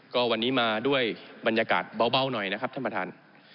ก็วันนี้มาด้วยบรรยากาศเบาหน่อยนะครับท่านประธาน